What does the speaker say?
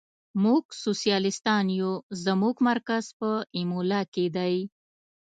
موږ سوسیالیستان یو، زموږ مرکز په ایمولا کې دی.